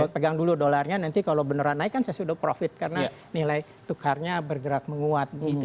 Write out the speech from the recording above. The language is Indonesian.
pegang dulu dolarnya nanti kalau beneran naik kan saya sudah profit karena nilai tukarnya bergerak menguat